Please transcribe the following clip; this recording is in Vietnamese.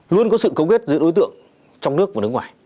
luôn có sự cấu kết giữa đối tượng trong nước và nước ngoài